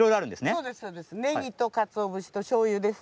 ねぎとかつお節としょうゆです。